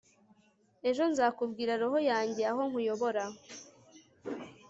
Ejo nzakubwira roho yanjye aho nkuyobora